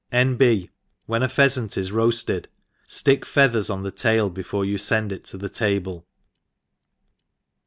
N. B. When the pheafant is roafted, ftick feathers on the tail before you fend it to the table.